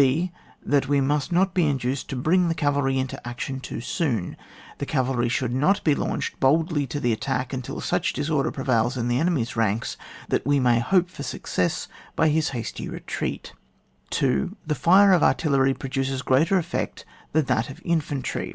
{h.) That we must not be induced to bring the cavalry into action too soon. The cavalry should not be launched boldly to the attack imtil such disorder prevails in the enemy's ranks that we may hope for success by his hasty retreat. 2. The Are of artillery produces greater effect than that of infantry.